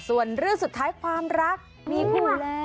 ส่วนเรื่องสุดท้ายความรักมีคู่แล้ว